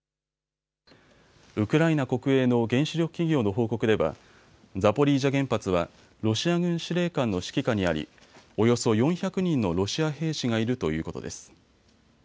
ウクライナ国営の原子力企業の報告ではザポリージャ原発はロシア軍司令官の指揮下にありおよそ４００人のロシア兵士がいるということです。